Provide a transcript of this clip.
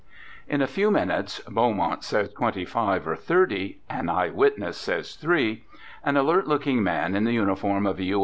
In a few minutes (Beaumont says twentj^ five or thirty, an eyewitness says three) an alert looking man in the uniform of a U.